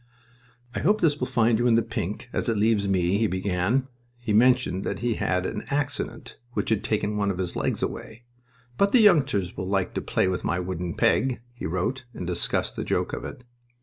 "I hope this will find you in the pink, as it leaves me," he began. He mentioned that he had had an "accident" which had taken one of his legs away. "But the youngsters will like to play with my wooden peg," he wrote, and discussed the joke of it.